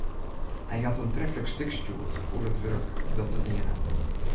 Hy hat har in treflik stik stjoerd oer it wurk dat er dien hat.